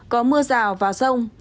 có mưa rào và rông